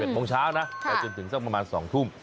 โมงเช้านะไปจนถึงสักประมาณ๒ทุ่ม